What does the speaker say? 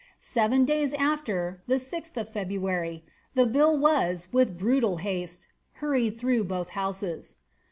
^'' Seven days after, 6th of February, the bill was with brutal haste hu^ ried through both houses.